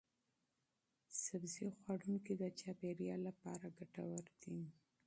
سبزي خوړونکي د چاپیریال لپاره ګټور دي.